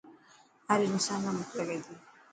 هر انسان نا بک لگي تي.